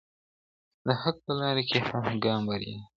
د حق په لاره کي هر ګام بریا ده.